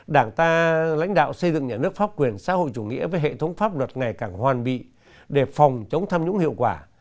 đảng ta lãnh đạo xây dựng nhà nước pháp quyền xã hội chủ nghĩa với hệ thống pháp luật ngày càng hoàn bị để phòng chống tham nhũng hiệu quả